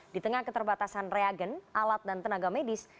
di tengah keterbatasan reagen alat dan tenaga medis